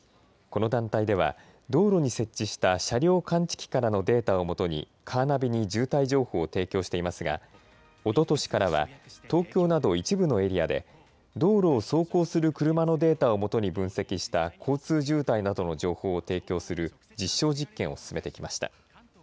この団体では道路に設置した車両感知器からのデータをもとにカーナビに渋滞情報を提供していますがおととしからは東京など一部のエリアで道路を走行する車のデータをもとに分析した交通渋滞などの情報を提供する実証実験を進めてきました。